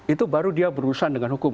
itu baru dia berurusan dengan hukum